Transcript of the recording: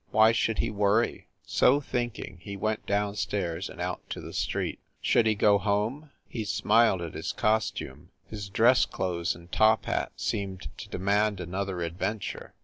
Why should he worry? So thinking he went down stairs and out to the street. Should he go home ? He smiled at his costume his dress clothes and top hat seemed to demand an other adventure.